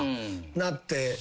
なって。